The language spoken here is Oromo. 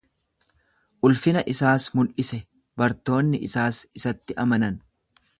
Ulfina isaas mul'ise, bartoonni isaas isatti amanan.